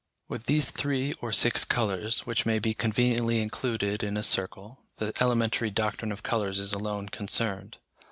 With these three or six colours, which may be conveniently included in a circle, the elementary doctrine of colours is alone concerned.